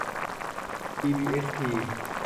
ทีบีเอสพี